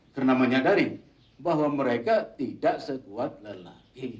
karena menyadari bahwa mereka tidak sekuat lelaki